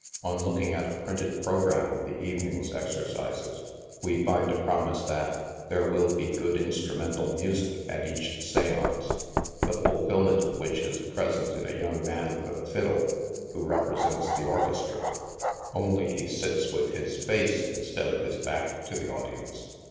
On looking at a printed programme of the evening's exer cises, we find a promise that " there will be good instrumental music at each seance," the fulfillment of which is present in a young man with a fiddle, who represents the orchestra, only he sits with his face instead of his back to the audience.